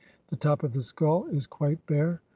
The top of the skull is quite bare.